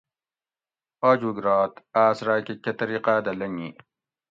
آجوگ رات آس راکہ کہ طریقا دہ لنگی